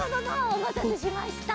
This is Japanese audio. おまたせしました！